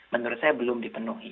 menurut saya belum dipenuhi